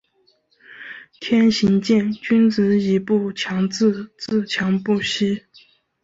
天行健，君子以不强自……自强不息。